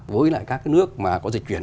với lại các cái nước mà có dịch truyền